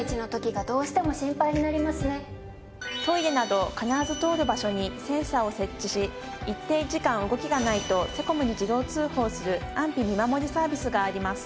トイレなど必ず通る場所にセンサーを設置し一定時間動きがないとセコムに自動通報する安否見守りサービスがあります。